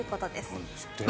なんですって。